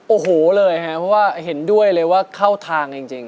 โอ้โหเลยครับเพราะว่าเห็นด้วยเลยว่าเข้าทางจริง